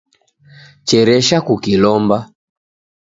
Cheresha kukilomba